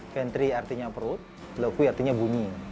ventri artinya perut loqui artinya bunyi